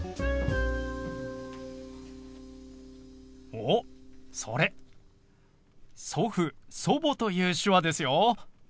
おっそれ「祖父」「祖母」という手話ですよ。